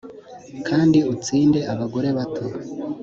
kandi utsinde abagore bato.